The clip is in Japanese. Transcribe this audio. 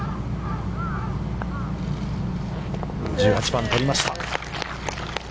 １８番、とりました。